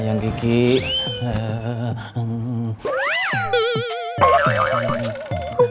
ya kita mau ke dapur